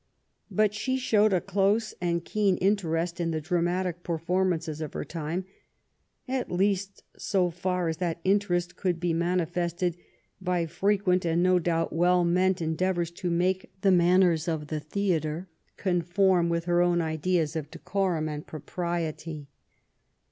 But she showed a close and keen interest in the dramatic performances of her time, at least so far as that interest could be mani fested by frequent, and, no doubt, well meant endeav ors to make the manners of the theatre conform with her o\vn ideas of decorum and propriety.